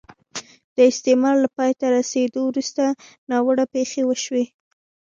د استعمار له پای ته رسېدو وروسته ناوړه پېښې وشوې.